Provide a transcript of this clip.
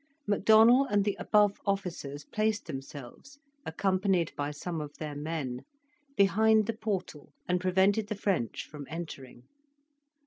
MacDonell and the above officers placed themselves, accompanied by some of their men, behind the portal and prevented the French from entering.